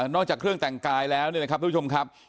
นอกจากเครื่องแต่งกายแล้วนะครับทุกชมครับ